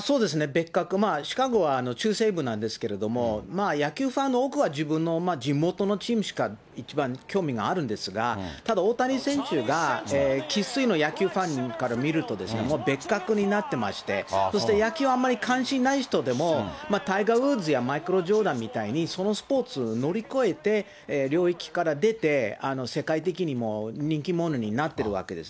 別格、シカゴは中西部なんですけれども、野球ファンの多くは自分の地元のチームしか一番興味があるんですが、ただ、大谷選手が生っ粋の野球ファンから見るとですね、もう別格になってまして、そして野球あんまり関心のない人でも、タイガー・ウッズやマイケル・ジョーダンみたいに、そのスポーツを乗り越えて、領域から出て、世界的にも人気者になってるわけです。